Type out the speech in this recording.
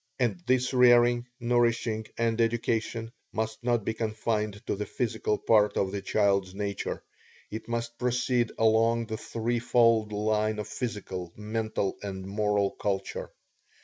And this rearing, nourishing, and education must not be confined to the physical part of the child's nature it must proceed along the three fold line of physical, mental, and moral culture.